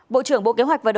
bộ trưởng bộ kế hoạch văn hóa